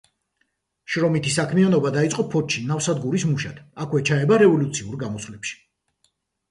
შრომითი საქმიანობა დაიწყო ფოთში, ნავსადგურის მუშად; აქვე ჩაება რევოლუციურ გამოსვლებში.